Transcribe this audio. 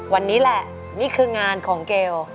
วันนี้แหละนี่คืองานของเกล